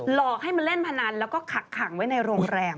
หลอกให้มาเล่นพนันแล้วก็ขักขังไว้ในโรงแรม